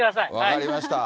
分かりました。